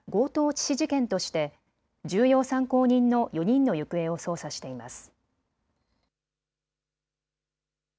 致死事件として重要参考人の４人の行方を捜査しています。